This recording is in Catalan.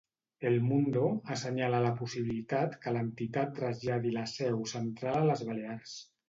El Mundo'assenyala la possibilitat que l'entitat traslladi la seu central a les Balears.